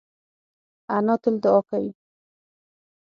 انا تل دعا کوي